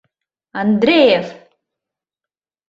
—...Андреев!..